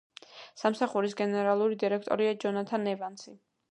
სამსახურის გენერალური დირექტორია ჯონათან ევანსი.